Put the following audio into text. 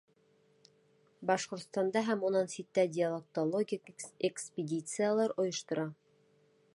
Башҡортостанда һәм унан ситтә диалектологик экспедициялар ойоштора.